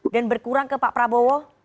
dan berkurang ke pak prabowo